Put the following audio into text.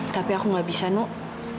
tapi aku gak bisa nuk